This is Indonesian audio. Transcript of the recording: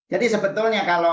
jadi sebetulnya kalau